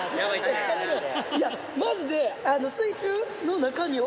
いやマジで。